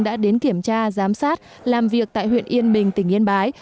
đã đến kiểm tra giám sát làm việc tại huyện yên bình tỉnh yên bái